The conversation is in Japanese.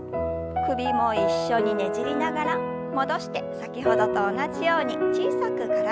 首も一緒にねじりながら戻して先ほどと同じように小さく体をねじります。